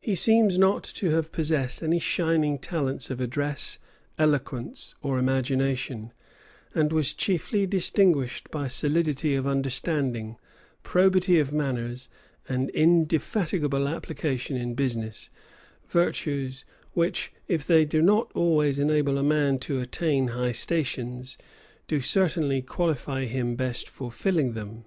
He seems not to have possessed any shining talents of address, eloquence, or imagination; and was chiefly distinguished by solidity of understanding, probity of manners, and indefatigable application in business; virtues which, if they do not always enable a man to attain high stations, do certainly qualify him best for filling them.